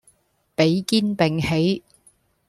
比肩並起